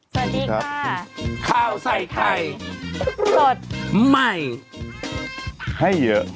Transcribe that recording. สวัสดีค่ะข้าวใส่ไข่สดใหม่ให้เยอะ